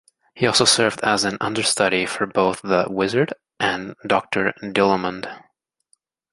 He also served as an understudy for both The Wizard and Doctor Dillamond.